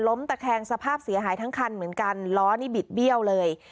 ตะแคงสภาพเสียหายทั้งคันเหมือนกันล้อนี่บิดเบี้ยวเลย